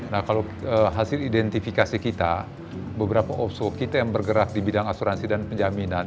nah kalau hasil identifikasi kita beberapa oso kita yang bergerak di bidang asuransi dan penjaminan